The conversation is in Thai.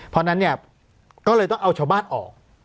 เพราะฉะนั้นเนี่ยก็เลยต้องเอาชาวบ้านออก